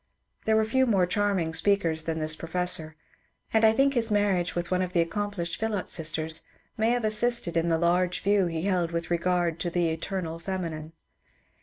There were few more charming speak ers than this professor, — and I think his marriage with one of the accomplished Phillot sisters may have assisted in the large view he held with regard to ^^ the eternal feminine."